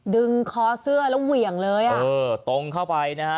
คอเสื้อแล้วเหวี่ยงเลยอ่ะเออตรงเข้าไปนะฮะ